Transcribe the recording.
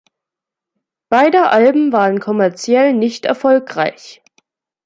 Beide Alben waren kommerziell nicht erfolgreich.